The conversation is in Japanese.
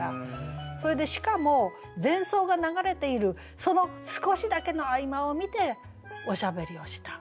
それでしかも前奏が流れているその少しだけの合間を見ておしゃべりをした。